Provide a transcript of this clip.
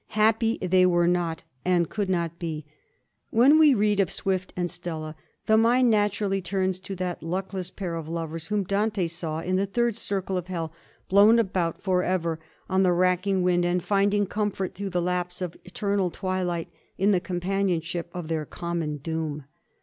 Happy they were not, and could not be. When we read of Swift and Stella the mind naturally turns to that luck less pair of lovers whom Dante saw in the third circle of hell, blown about forever on the racking wind, and finding comfort through the lapse of eternal twilight in the com panionship of their common doom.